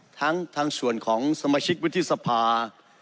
ทั้งทางส่วนของสมาชิกวุฒิสภา